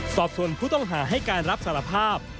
สอบส่วนผู้ต้องหาให้การรับสารภาพ